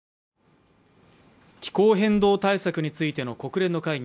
気候変動対策についての国連の会議